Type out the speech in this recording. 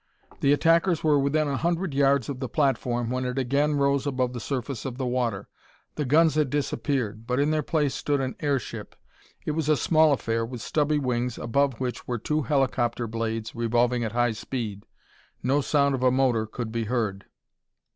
The attackers were within a hundred yards of the platform when it again rose above the surface of the water. The guns had disappeared, but in their place stood an airship. It was a small affair with stubby wings above which were two helicopter blades revolving at high speed. No sound of a motor could be heard.